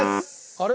あれ？